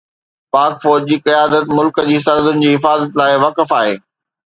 پاڪ فوج جي قيادت ملڪ جي سرحدن جي حفاظت لاءِ وقف آهي.